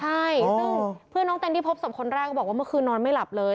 ใช่ซึ่งเพื่อนน้องเต้นที่พบศพคนแรกก็บอกว่าเมื่อคืนนอนไม่หลับเลย